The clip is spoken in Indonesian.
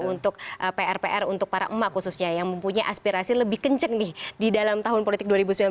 untuk pr pr untuk para emak khususnya yang mempunyai aspirasi lebih kenceng nih di dalam tahun politik dua ribu sembilan belas